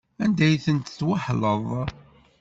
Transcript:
Anda ay ten-tesweḥleḍ?